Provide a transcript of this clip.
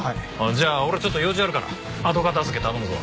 じゃあ俺ちょっと用事あるから後片付け頼むぞ。